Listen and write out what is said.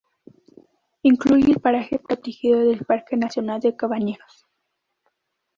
Incluye el paraje protegido del parque nacional de Cabañeros.